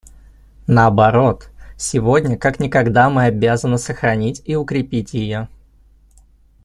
Наоборот, сегодня как никогда мы обязаны сохранить и укрепить ее.